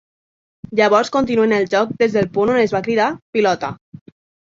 Llavors continuen el joc des del punt on es va cridar "pilota".